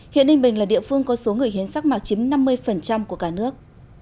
hiện ninh bình là địa phương có số người hiến rác mạc chím năm mươi của cả nước